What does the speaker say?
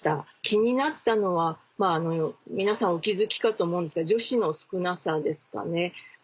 気になったのは皆さんお気付きかと思うんですが女子の少なさですかね。